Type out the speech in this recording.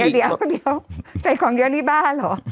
เดี๋ยวใส่ของเยอะที่บ้านเหรอ